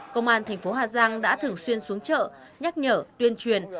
công an thành phố hà giang đã thường xuyên xuống chợ nhắc nhở tuyên truyền